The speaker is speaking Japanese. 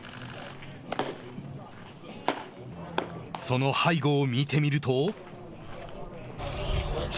その背後を見てみると。